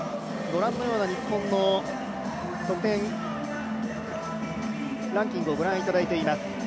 日本の得点ランキングをご覧いただいています。